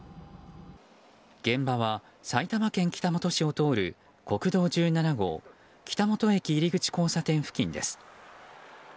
現場は埼玉県北本市を通る国道１７号北本駅入り口交差点付近です。